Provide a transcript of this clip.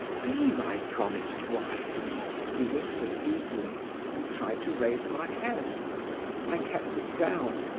"'Be my promised wife!' he whispered, eagerly, and tried to raise my head. I kept it down.